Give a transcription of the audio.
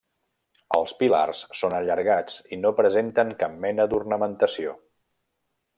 Els pilars són allargats i no presenten cap mena d'ornamentació.